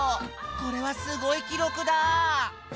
これはすごいきろくだ！